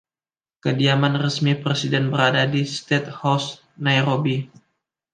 Kediaman resmi presiden berada di State House, Nairobi.